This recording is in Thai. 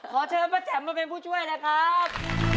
ขอเชิญป้าแจ๋มมาเป็นผู้ช่วยนะครับ